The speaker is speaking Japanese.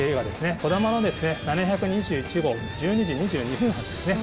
こだまの７２１号１２時２２分発ですね。